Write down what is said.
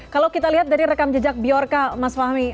kalau kita lihat dari rekam jejak bjorka mas fahmi